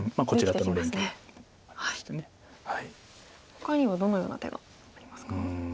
ほかにはどのような手がありますか？